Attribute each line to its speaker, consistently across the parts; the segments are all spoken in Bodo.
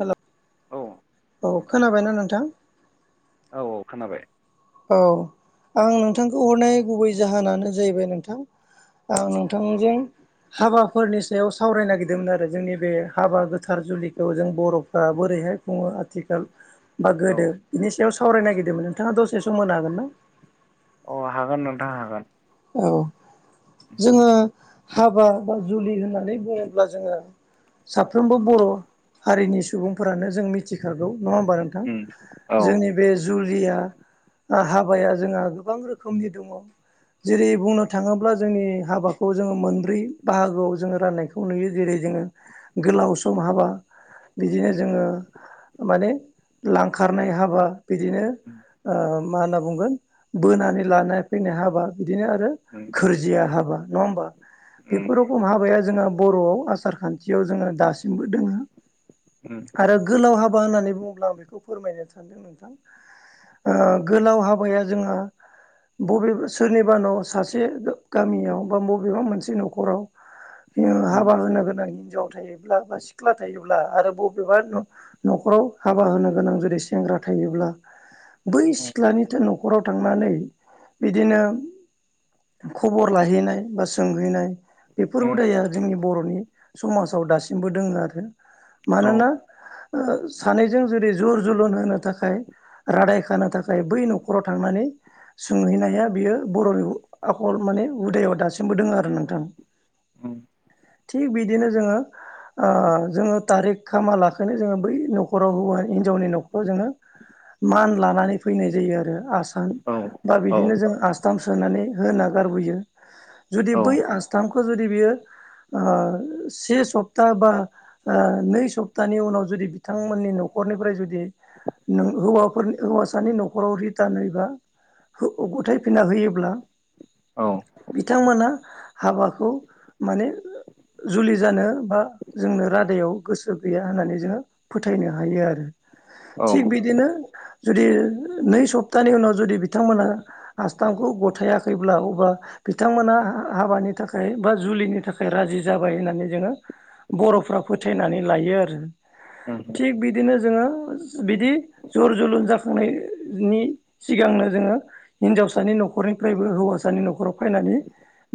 Speaker 1: हेल'
Speaker 2: औ
Speaker 1: औ
Speaker 2: नोंथां
Speaker 1: खोनाबायना नोंथां
Speaker 2: औ औ खोनाबाय
Speaker 1: औ आं नोंथां आ नोंथांजों हाबाफोरनि सायाव सावरायनो नागिरदोंमोन आरो जोंनि बे हाबा गोथार जुलिखौ जों बर'फ्रा बोरैहाय बुङो आथिखाल बा
Speaker 2: औ
Speaker 1: गोदो बिनि सायाव सावरायनो नागिरदोंमोन नोंथाङा दसे सम मोनो हागोन ना
Speaker 2: अ हागोन नोंथां हागोन
Speaker 1: औ जोङो हाबा बा जुलि होननानै बुङोब्ला जोङो साफ्रोमबो बर' हारिनि सुबुंफोरानो जों मिथिखागौ नङा होमबा नोंथां
Speaker 2: उम औ
Speaker 1: जोंनि बे जुलिया हाबाया जोंहा गोबां रोखोमनि दङ जेरै बुंनो थाङोब्ला जोंनि हाबाखौ जोङो मोनब्रै बाहागोआव जोङो राननायखौ नुयो जेरै जोङो गोलाव सम हाबा बिदिनो
Speaker 2: उम
Speaker 1: जोङो माने लांखारनाय हाबा बिदिनो मा होनना बुंगोन बोनानै लानाय फैनाय हाबा बिदिनो आरो
Speaker 2: उम
Speaker 1: गोरजिया हाबा नङा होमबा
Speaker 2: उम
Speaker 1: बेफोर रखम हाबाया जोंहा बर'आव आसार खान्थियाव जोङो दासिमबो दोङो
Speaker 2: ुम
Speaker 1: आरो गोलाव हाबा होननानै बुङोब्ला आं बेखौ फोरमायनो सानदों नोंथां गोलाव हाबाया जोंहा बबे सोरनिबानाव सासे गामियाव बा बबेबा मोनसे न'खराव
Speaker 2: उम
Speaker 1: हाबा होनो गोनां हिनजाव थायोब्ला बा सिख्ला थायोब्ला आरो बबेबा न'खराव हाबा होनो गोनां जुदि सेंग्रा थायोब्ला बै सिख्लानिथो न'खराव थांनानै बिदिनो खबर लाहैनाय बा सोंहैनाय बेफोर
Speaker 2: उम
Speaker 1: हुदाया जोंनि बर'नि समाजाव दासिमबो दोङो आरो
Speaker 2: औ
Speaker 1: मानोना सानैजों जेरै जुर जोलुन होनो थाखाय रादाय खानो थाखाय बै न'खराव थांनानै सोंहैनाया बियो बर'नि आखल माने हुदायाव दासिमबो दङ आरो नोंथां
Speaker 2: उम
Speaker 1: थिग बिदिनो जोङो जोङो थारिख खामा लाखैनो जोङो बै न'खराव हौवा हिनजावनि न'खराव जोङो मान लानानै फैनाय जायो आरो आसार
Speaker 2: औ
Speaker 1: बा
Speaker 2: औ
Speaker 1: बिदिनो जों आसथाम सोनानै होना गारबोयो जुदि
Speaker 2: औ
Speaker 1: बै आसथ खौ जुदि बियो से सप्ता बा नै सप्तानि उनाव जुदि बिथांमोननि न'खरनिफ्राय जुदि हौवाफोरनि हौवासानि न'खराव रिटार्न होयोबा गथाय फैना होयोब्ला
Speaker 2: औ
Speaker 1: बिथांमोना हाबाखौ माने जुलि जानो बा जोंनो रादायाव गोसो गैया होननानै जोङो फोथायनो हायो आरो
Speaker 2: औ
Speaker 1: थिग बिदिनो जुदि नै सप्तानि उनाव जुदि बिथांमोना आसथामखौ गथायाखैब्ला अबबा बिथांमोना हाबानि थाखाय बा जुलिनि थाखाय राजि जाबाय होननानै जोङो बर'फ्रा फोथायनानै लायो आरो
Speaker 2: उम
Speaker 1: थिग बिदिनो जोङो बिदि जर जोलुर जाखांनायनि सिगांनो जोङो हिनजावसानि न'खरनिफ्रायबो हौवासानि न'खराव फैनानै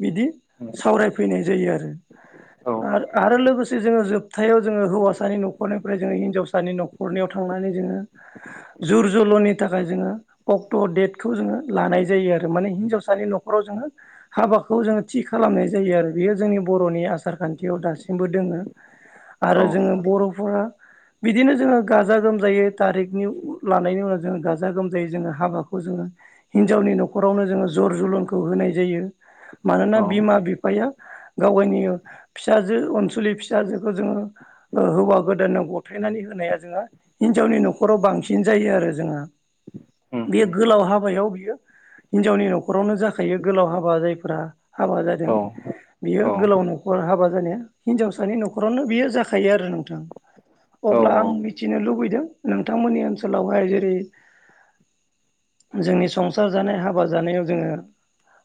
Speaker 1: बिदि
Speaker 2: उम
Speaker 1: सावरायफैनाय जायो आरो
Speaker 2: औ
Speaker 1: आरो आरो लोगोसे जोङो जोबथायाव जोङो हौवासानि न'खरनिफ्राय जोङो हिनजावसानि न'खर नख'रनियाव थांनानै जोङो जुर जोल'नि थाखाय जोङो अक्ट' डेटखौ जोङो लानाय जायो आरो माने हिन्जावसानि न'खराव जोङो हाबाखौ जोङो थि खालामनाय जायो आरो बेयो जोंनि बर'नि आसार खान्थियाव दासिमबो दोङो
Speaker 2: औ
Speaker 1: आरो जोङो बर'फोरा बिदिनो जोङो गाजा गोमजायै थारिखनि लानायनि उनाव जोङो गाजा गोमजायै जोङो हाबाखौ जोङो हिन्जावनि न'खरावनो जोङो जर जलनखौ होनाय जायो मानोना
Speaker 2: औ
Speaker 1: बिमा बिफाया गावावनि फिसाजो ओनसुलि फिसाजोखौ जोङो हौवा गोदानाव गथायनानै होनाया जोङहा हिनजावनि न'खराव बांसिन जायो आरो जोंहा
Speaker 2: उम
Speaker 1: बे गोलाव हाबायाव हिनजावनि न'खरावनो जाखायो गोलाव हाबा जायफोरा हाबा
Speaker 2: औ
Speaker 1: जादों बियो गोलाव न'खर हाबा जानाया हिनजावसानि न'खरावनो बियो जाखायो आरो नोंथां
Speaker 2: औ
Speaker 1: अब्ला आं मिथिनो लुबैदों नोंथांमोननि ओनसोलावहाय जेरै जोंनि खसार जानाय हाबा जानायाव जोङो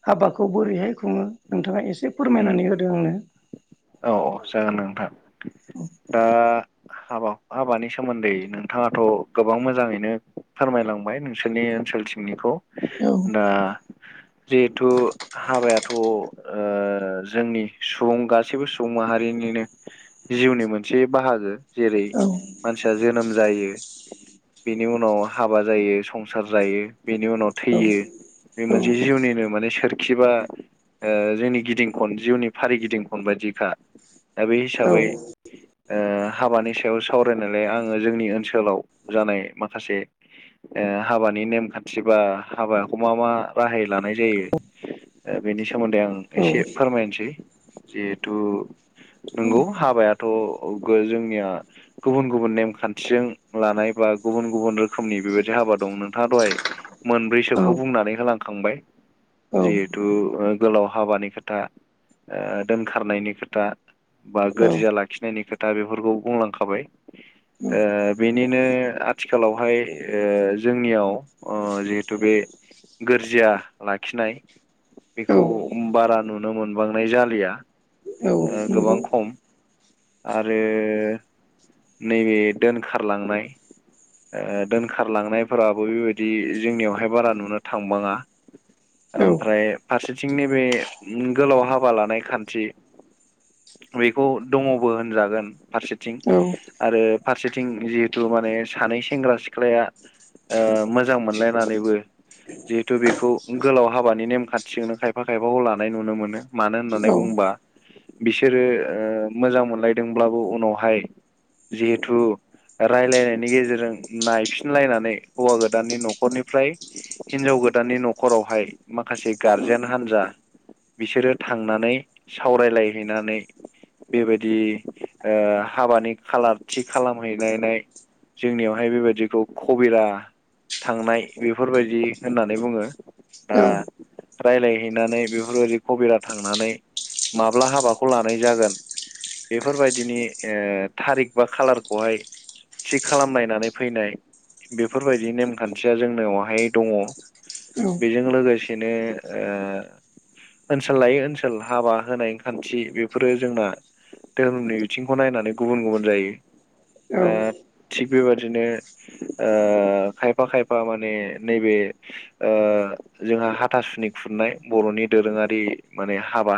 Speaker 1: हाबाखौ बोरैहाय खुङो नोंथाङा एसे फोरमायनानै होदों आंनो
Speaker 2: अ जागोन नोंथां दा हाबा हाबानि सोमोन्दै नोंथाङाथ' गोबां मोजाङैनो फोरमायलांबाय नोंसोरनि ओनसोलसिम सिनिखौ
Speaker 1: औ
Speaker 2: दा जिहेथु हाबायाथ' जोंनि सुबुं गासैबो मनिनो जिउनि मोनसे बाहागो जेरै मानसिया जोन जायो बेनि उनाव हाबा जायो संसार जायो बेनि उनाव थैयो बे मोनसे जिउनिनो माने सोर बि खबा जोंनि गिदिं खन जिउनि फारिगिदिं खन बायदिखा दा बे
Speaker 1: औ
Speaker 2: हिसाबै हाबानि सायाव सावरायनायलाय आङो जोंनि ओनसोलाव जानाय माखासे हाबानि नेमखान्थि बा हाबाखौ मा मा राहाय लानाय जायो बेनि सोमोन्दै आं एसे फोरमायनोसै जिहेथु नंगौ हाबाय थ' जोंनिया गुबुन गुबुन नेमखान्थिजों लानाय बा गुबुन गुबुन रोखोमनि बेबायदि आबाद दं नोंथाङा दहाय मोनब्रैसोखौ बुंनानै होलांखांबाय गोलाव हाबानि खोथा दोनखारनायनि खोथा बा गोरजिया लाखिनायनि खोथा बेफोरखौ बुंलांखाबाय बेनिनो आथिखालावहाय जोंनियाव जिहेथु बे गोरजिया लाखिनाय
Speaker 1: औ
Speaker 2: बेखौ बारा नुनो मोनबांनाय जालिया
Speaker 1: औ
Speaker 2: गोबां
Speaker 1: नंगौ
Speaker 2: खम आरो नैबे दोनखारलांनाय। ओ दोनखारलांनायफोराबो बेबायदि जोंनियावहाय बारा नुनो थांबाङा
Speaker 1: औ
Speaker 2: ओमफ्राय फारसेथिंनि बे गोलाव हाबा लानाय खान्थि बेखौ दङबो होनजागोन फारसेथिं
Speaker 1: औ
Speaker 2: आरो फारसेथिं जिहेथु माने सानै सेंग्रा सिख्लाया ओ मोजां मोनलायनानैबो जिहेतु बेखौ गोलाव हाबानि नेमखान्थिजोंनो खायफा खायफाखौ लानाय नुनो मोनो। मानो
Speaker 1: औ
Speaker 2: होननानै बुंबा बिसोरो मोजां मोनलायदोंब्लाबो उनावहाय जिहेथु रायलायनायनि गेजेरजों नायफिनलायनानै हौवा गोदाननि न'खरनिफ्राय हिनजाव गोदाननि न'खरावहाय माखासे गारजेन हान्जा बिसोरो थांनानै सावरायलायहैनानै बेबायदि हाबानि खाालार थि खालामहैलायनाय जोंनियावहाय बेबायदिखौ खबरा थांनाय बेफोरबायदि होननानै बुङो ह रायज्लायहैनानै बेफोरबायदि कबरा थांनानै माब्ला हाबाखौ लानाय जागोन बेफोरबायदिनि ओ थारिक बा खालारखौहाय थि खालामलनायनानै फैनाय बेफोरबायदि नेमखान्थिया जोंनावहाय दङ।
Speaker 1: औ
Speaker 2: बेजों लोगोसेनो ओ ओनसोल लायै ओनसोल हाबा होनाय खान्थि बेफोरो जोंना धोरोमनि बिथिंखौ नायनानै गुबुन गुबुन जायो
Speaker 1: औ
Speaker 2: दा थिग बेबादिनो ओ खायफा खायफा माने नैबे ओ जोंहा हाथासुनि खुरनाय बर'नि दोरोङारि माने हाबा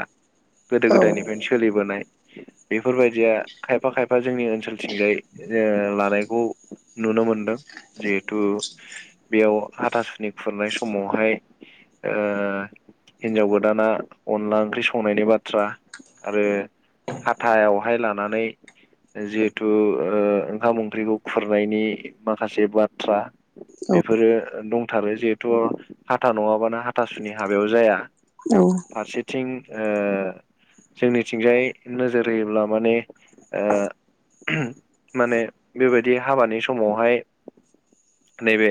Speaker 2: गोदो गोदायनिफ्रायनो सोलिबोनाय बेफोरबायदिया खायफा खायफा जोंनि ओनसोलथिंजाय ओ लानायखौ नुनो मोनदों जिहेथु बेयाव हाथसुनि खुरनाय समावहाय ओ हिन्जाव गोदाना अनला ओंख्रि संनायनि बाथ्रा आरो हथायावहाय लानानै जिहेथु ओ ओंखाम ओंख्रिखौ खुरनायनि माखासे बाथ्रा बेफोरो दंथारो जिहेथु हाथा नङाबानो हाथासुनि हाबायाव जाया
Speaker 1: औ
Speaker 2: फारसेथिं ओ जोंनिथिंजाय नोजोर होयोब्ला माने ओ माने बेबायदि हाबानि समावहाय नैबे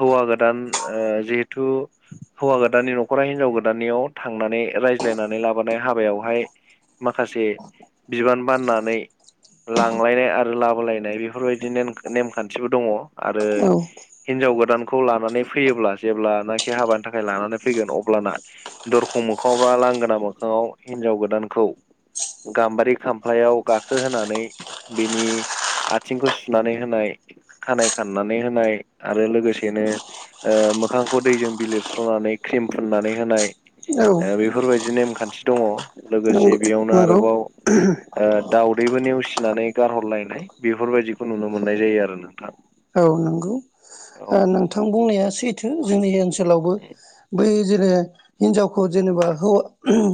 Speaker 2: हौवा गोदान ओ जिहेथु हौवा गोदाननि न'खरा हिनजाव गोदाननियाव थांनानै रायज्लायनानै लाबोनाय हाबायावहाय माखासे बिबान बाननानै लांलायनाय आरो लाबोलायनाय बेफोरबायदि ने नेमखान्थिबो दङ आरो हिनजाव गोदानखौ लानानै फैयोब्ला जेब्लानाखि हाबानि थाखाय लानानै फैगोन अब्लाना दरखं मोखावबा लांगोना मोखाङाव हिनजाव गोदानखौ गाम्बारि खामफ्लायाव गाखोहोनानै बिनि आथिंखौ सुनानै होनाय खानाइ खाननानै होनाय आरो लोगोसेनो ओ मोखांखौ दैजों बिलिरस्रनानै क्रिम फुननानै होनाय।
Speaker 1: औ
Speaker 2: ओ बेफोरबायदि नेमखान्थि दङ
Speaker 1: नंगौ
Speaker 2: लोगोसे बेयावनो
Speaker 1: नंगौ
Speaker 2: आरोबाव ओ दावदैबो नेवसिनानै गारहरलायनाय बेफोरबायदिखौ नुनो मोननाय जायो आरो नोंथां।
Speaker 1: औ नंगौ
Speaker 2: औ
Speaker 1: ओ नोंथां बुंनाया सैथो जोंनि ओसोल लावबो बै जेरै हिनजावखौ जेनेबा हौवा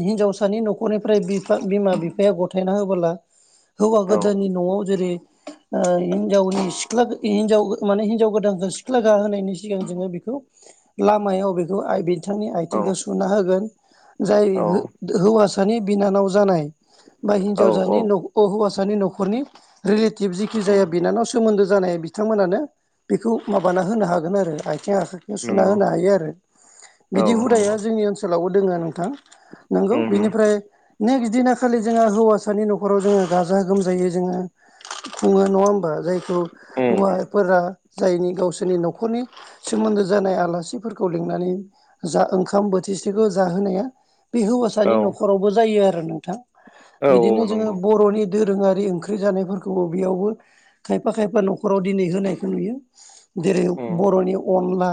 Speaker 1: हिनजावसानि न'खरनिफ्राय बिफा बिमा बिफाया गथायना होबोला हौवा
Speaker 2: औ
Speaker 1: गोदाननि न'वाव जेरै हिनजावनि सिख्ला हिनजाव माने हिन्जाव गोदानखौ सिख्ला गाहोनायनि सिगां जोङो बिखौ लामाया अबेखौ आइबि बिथांनि
Speaker 2: औ
Speaker 1: आइथिंखौ सुना होगोन जाय हौवासानि बिनानाव जानाय बा
Speaker 2: औ
Speaker 1: हिन्जावसानि
Speaker 2: औ
Speaker 1: हौवासानि न'खरनि रिलेटिभ जिखि
Speaker 2: उम
Speaker 1: जाया बिनानाव सोमोन्दो जानाय बिथांमोनानो बेखौ माबाना होनो हागोन आरो आथिं आखाइ बे सुना
Speaker 2: नंगौ
Speaker 1: होनो हायो आरो
Speaker 2: औ
Speaker 1: बिदि हुदाया
Speaker 2: नंगौ
Speaker 1: जोंनि ओनसोलावबो दोङो नोंथां नंगौ
Speaker 2: उम उम
Speaker 1: बिनिफ्राय नेक्स्ट बिदिना खालि जोङो हौवासानि न'खराव जोङो गाजा गोमजायै जोङो खुङो नङा होमबा जायखौ
Speaker 2: उम
Speaker 1: हौवाफोरा जायनि गावसोरनि न'खरनि सोमोन्दो जानाय आलासिफोरखौ लिंनानै जा ओंखाम बोथिसेल' जाहोनाया बे
Speaker 2: औ
Speaker 1: हौवासानि न'खरावबो जायो आरो नोंथां
Speaker 2: औ
Speaker 1: बिदिनो
Speaker 2: औ
Speaker 1: जोङो
Speaker 2: नंगौ
Speaker 1: बर'नि दोरोङारि ओंख्रि जानायफोरखौबो बेयावबो खायफा खायफा न'खर व न'खराव दिनै होनायखौ नुयो जेरै
Speaker 2: उम
Speaker 1: बर'नि अनला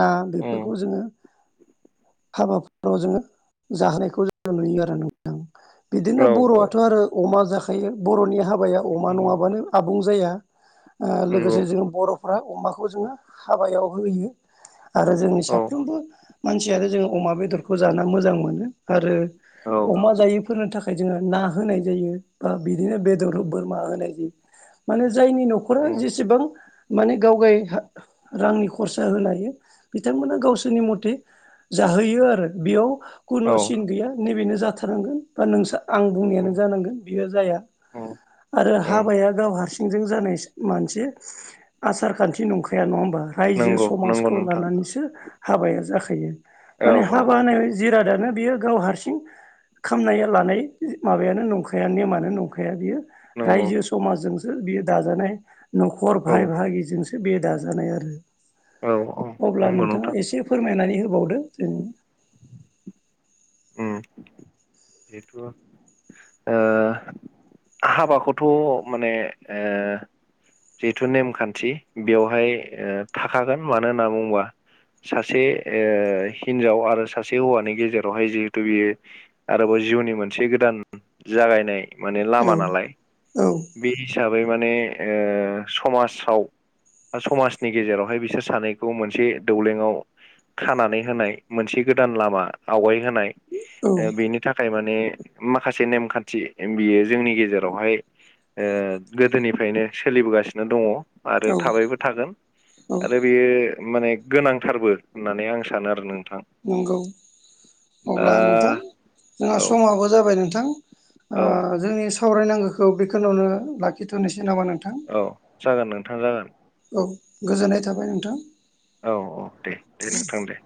Speaker 1: ना
Speaker 2: उम
Speaker 1: बेफोरखौ जोङो हाबाफोराव जोङो जाहोनायखौ जोङो नुयो आरो नों बिदिनो
Speaker 2: औ औ
Speaker 1: बर'आथ' आरो अमा जाखायो बर'नि हाबाया अमा
Speaker 2: नंगौ
Speaker 1: नङाबानो आबुं जाया ओ
Speaker 2: नंगौ
Speaker 1: लोगोसे जोङो बर'फ्रा अमाखौ जोङो हाबायाव होयो आरो जोंनि
Speaker 2: औ
Speaker 1: साफ्रोमबो मानसियानो जों अमा बेदरखौ जा मोजां मोनो आरो
Speaker 2: औ
Speaker 1: अमा जायैफोरनि थाखाय जों ना होनाय जायो बा बिदिनो बेदर बोरमा होनाय जायो माने जायनि नखरा
Speaker 2: उम
Speaker 1: जेसेबां माने गाव गाय रांनि खरसा होनो हायो बिथांमोना गावसोरनि मथे जाहोयो आरो बेयाव
Speaker 2: औ
Speaker 1: खुनुसिन गैया नैबेनो जाथारनांगोन बा नों आं बुंनायानो
Speaker 2: उम
Speaker 1: जानांगोन बियो जाया
Speaker 2: उम
Speaker 1: आरो
Speaker 2: उम
Speaker 1: हाबाया गाव हार सिंजों जानाय मानसे आसार खान्थि नंखाया नङा ओमबा रायजो
Speaker 2: नंगौ नंगौ
Speaker 1: समाजखौ
Speaker 2: नोंथां
Speaker 1: लानानैसो हाबाया जाखायो
Speaker 2: औ
Speaker 1: माने हा
Speaker 2: औ
Speaker 1: बा होननाय जिरादानो बियो गाव हारसिं खामनाय लानाय माबायानो नंखाया नेमानो नंखाया बियो
Speaker 2: नंगौ
Speaker 1: रायजो समाजजोंसो बियो दाजानाय न'खर
Speaker 2: औ
Speaker 1: भाय बागिजोंसो बे दाजानाय आरो
Speaker 2: औ औ
Speaker 1: अब्ला
Speaker 2: नंगौ
Speaker 1: नोंथाङा
Speaker 2: नोंथां
Speaker 1: एसे फोरमायनानै होबावदो जों
Speaker 2: उम जिहेथु ओ हाबाखौथ' माने ओ जिहेथु नेमखान्थि बेवहाय ओ थाखागोन मानो होनना बुङोबा सासे ओ हिनजाव आरो सासे हौवानि गेजे रावहाय जिहेतु बियो आरोबाव जिउनि मोनसे गोदान जागायनाय माने
Speaker 1: औ
Speaker 2: लामा नालाय
Speaker 1: औ
Speaker 2: बे हिसाबै माने ओ समाजाव समाजनि गेजेरावहाय बिसोर सानैखौ मोनसे दौलङाव खानानै होनाय मोनसे गोदान लामा आवगाय होनाय ओ
Speaker 1: औ
Speaker 2: बेनि थाखाय माने माखासे नेमखान्थि बियो जोंनि गेजेरावहाय ओ गोदोनिफ्रायनो सोलिबोगासिनो दङ आरो
Speaker 1: औ
Speaker 2: थाबायबो थागोन
Speaker 1: औ
Speaker 2: आरो बेयो माने गोनांथारबो होननानै आं सानो आरो नोंथां
Speaker 1: नंगौ
Speaker 2: दा
Speaker 1: अब्ला नोंथां जोंहा
Speaker 2: औ
Speaker 1: समाबो जाबाय नोंथां ओ
Speaker 2: औ
Speaker 1: जोंनि सावरायनांगोखो बेखिनावनो लाखिथ'नोसै नामा नोंथां
Speaker 2: औ जागोन नोंथां जागोन
Speaker 1: औ गोजोननाय थाबाय नोंथां
Speaker 2: औ औ दे दे नोंथां दै।